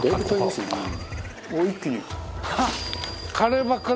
「おっ一気に」